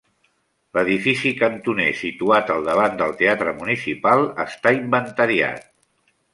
L'edifici cantoner situat al davant del Teatre municipal està inventariat.